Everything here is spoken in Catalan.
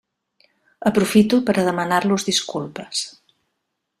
Aprofito per a demanar-los disculpes.